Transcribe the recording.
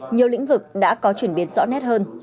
nhiều lĩnh vực đã có chuyển biến rõ nét hơn